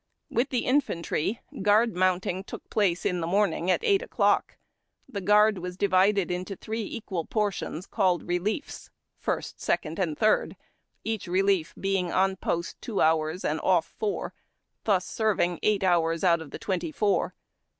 With the infantry, guard mounting took jolace in the morning at eight o'clock. The guard was divided into three equal portions, called reliefs, first, second, and third, each relief being on post two hours and off four, thus serv ing eight hours out of the twenty four.